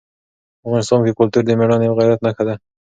په افغانستان کې کلتور د مېړانې او غیرت نښه ده.